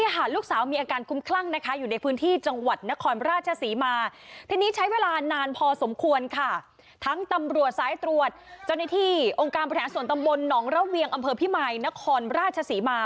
หลายตรวจเจ้าหน้าที่องค์การประหลาดส่วนตำบลน้องเล่าเวียงอำเภอพี่มายนครราชศรีมา